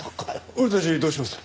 俺たちどうします？